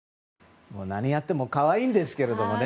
何やっても可愛いんですけどもね